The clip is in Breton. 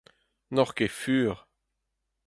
N'oc'h ket fur.